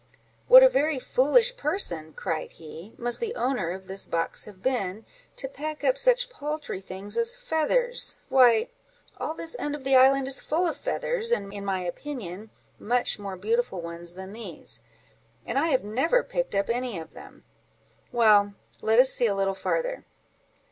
—"What a very foolish person," cried he, "must the owner of this box have been, to pack up such paltry things as feathers! Why, all this end of the island is full of feathers, and, in my opinion, much more beautiful ones than these; and I have never picked up any of them. Well! let us see a little farther."